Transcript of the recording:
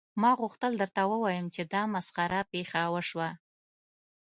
ما غوښتل درته ووایم چې دا مسخره پیښه وشوه